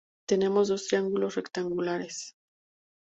Tenemos dos triángulos rectángulos.